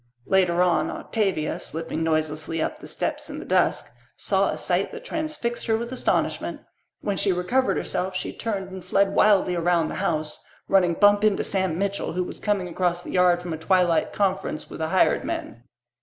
Later on Octavia, slipping noiselessly up the steps in the dusk, saw a sight that transfixed her with astonishment. When she recovered herself she turned and fled wildly around the house, running bump into Sam Mitchell, who was coming across the yard from a twilight conference with the hired men.